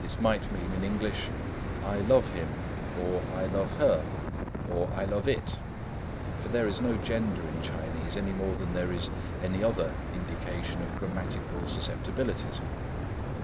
This might mean in English, "I love him," or "I love her," or "I love it,"—for there is no gender in Chinese, any more than there is any other indication of grammatical susceptibilities.